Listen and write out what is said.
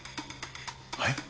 はい？